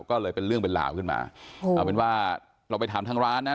ก็เลยเป็นเรื่องเป็นราวขึ้นมาเอาเป็นว่าเราไปถามทางร้านนะ